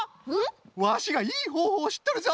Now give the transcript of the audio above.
ワシがいいほうほうをしっとるぞ！